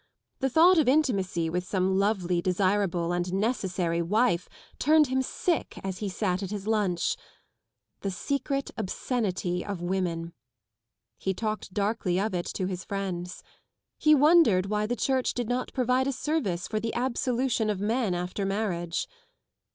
The thought of intimacy with some lovely, desirable and necessary wife turned him sick as he sat at his lunch. The secret obscenity of women! He talked darkly of it to his friends. He wondered why the Church did not provide a service for the absolution of men after marriage.